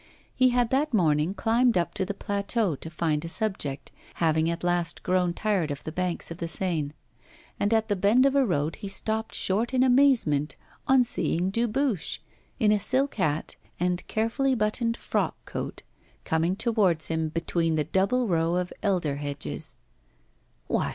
He had that morning climbed up to the plateau to find a subject, having at last grown tired of the banks of the Seine; and at the bend of a road he stopped short in amazement on seeing Dubuche, in a silk hat, and carefully buttoned frock coat, coming towards him, between the double row of elder hedges.